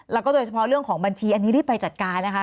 แล้วก็โดยเฉพาะเรื่องของบัญชีอันนี้รีบไปจัดการนะคะ